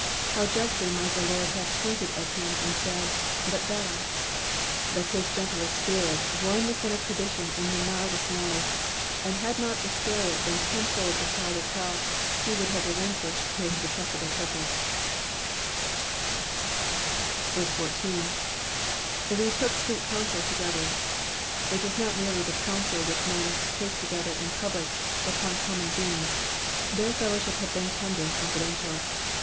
How justly might the Lord have pointed at him and said, "But thou;'''' but his gentler spirit warned the son of perdition in the mildest manner, and had not Lscariot been tenfold a child of hell he would have relinqubhed his detestable purpose. Digitized by VjOOQIC 20 EXPOSITIONS OF THE PSALMS. 14. ^^We took 9tteet counsel together,''^ It was not merely the counsel which men take together in public or upon common themes, their fellowship had been tender and confidential.